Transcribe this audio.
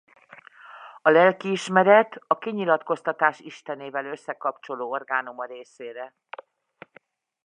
A lelkiismeret a kinyilatkoztatás Istenével összekapcsoló orgánum a részére.